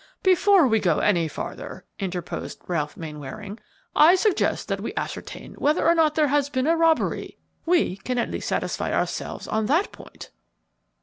"Before we go any farther," interposed Ralph Mainwaring, "I suggest that we ascertain whether or not there has been a robbery. We can at least satisfy ourselves on that point."